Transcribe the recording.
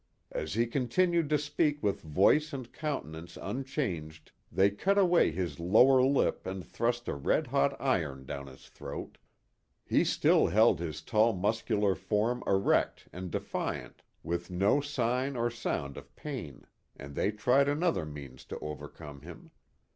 As he continued to speak with voice and countenance unchanged, they cut away his lower lip and thrust a red hot iron down his throat. He still held his tall muscular form erect and defiant, with no sign or sound of pain; and they tried another means to overcome him.